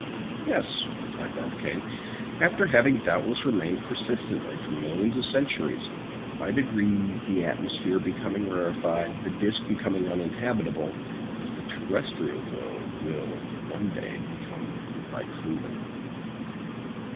"Yes," replied Barbicane, "after having doubtless remained persistently for millions of centuries; by degrees the atmosphere becoming rarefied, the disc became uninhabitable, as the terrestrial globe will one day become by cooling."